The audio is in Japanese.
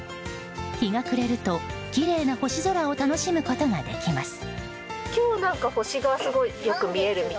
日が暮れると、きれいな星空を楽しむことができます。